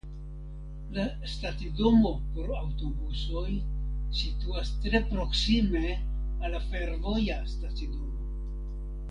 La stacidomo por aŭtobusoj situas tre proksime al la fervoja stacidomo.